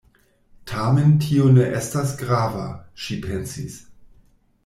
"Tamen tio ne esta grava," ŝi pensis.